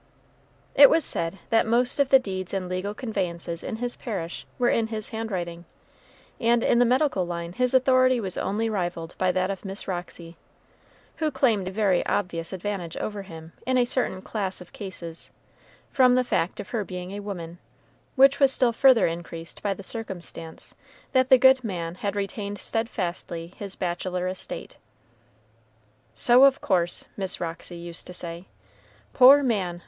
It was said that most of the deeds and legal conveyances in his parish were in his handwriting, and in the medical line his authority was only rivaled by that of Miss Roxy, who claimed a very obvious advantage over him in a certain class of cases, from the fact of her being a woman, which was still further increased by the circumstance that the good man had retained steadfastly his bachelor estate. "So, of course," Miss Roxy used to say, "poor man!